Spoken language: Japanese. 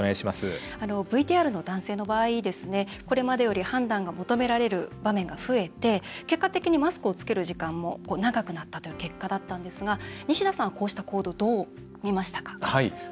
ＶＴＲの男性の場合これまでより判断を求められる場面が増えて結果的にマスクをつける時間も長くなったという結果でしたが西田さんはこうした行動をどう見ましたか？